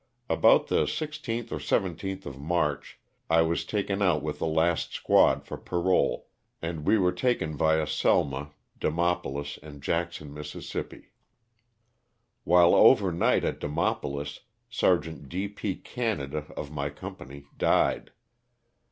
About the 16th or 17th of March I was taken out with the last squad for parole, and we were taken via Selma, Demopolis and Jackson, Miss. While over night at Demopolis, Sergeant D. P. Canada, of my company, died.